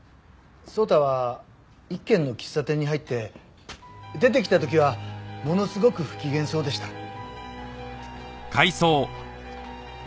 草太は１軒の喫茶店に入って出てきた時はものすごく不機嫌そうでした。